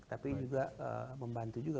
tapi juga membantu juga